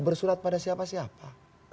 bersurat pada siapa siapa